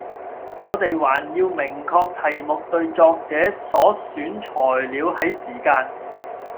我哋還要明確題目對作者所選材料喺時間